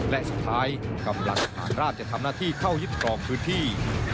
และสุดท้ายกำลังทหารราบจะทำหน้าที่เข้ายึดคลองพื้นที่